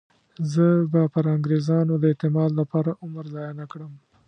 زه به پر انګریزانو د اعتماد لپاره عمر ضایع نه کړم.